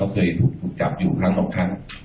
เคยถูกจับอยู่ครั้งสองครั้ง